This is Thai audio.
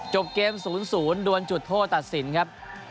จบเกม๐๐ดวนจุดโทษตัดสินครับ